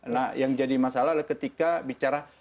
nah yang jadi masalah adalah ketika bicara